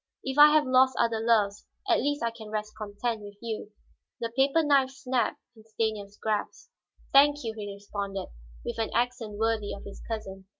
"If I have lost other loves, at least I can rest content with you." The paper knife snapped in Stanief's grasp. "Thank you," he responded, with an accent worthy of his cousin.